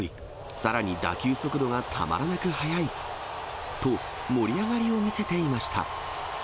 さらに打球速度がたまらなく速いと、盛り上がりを見せていました。